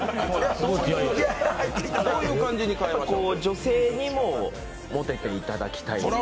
女性にもモテていただきたい。